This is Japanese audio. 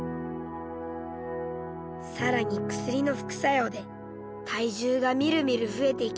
更に薬の副作用で体重がみるみる増えていきました。